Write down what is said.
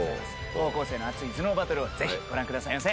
高校生の熱い頭脳バトルをぜひご覧くださいませ。